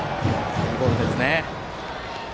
いいボールですね。